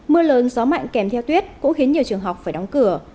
mưa lớn gió mạnh kèm theo tuyết cũng khiến nhiều trường học phải đóng cửa